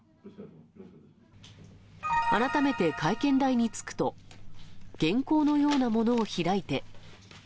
改めて、会見台につくと、原稿のようなものを開いて。